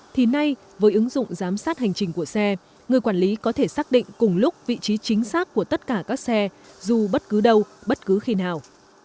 thì nay với ứng dụng giám sát hành trình của xe người quản lý có thể xác định cùng lúc vị trí chính xác của tất cả các xe dù bất cứ đâu bất cứ khi nào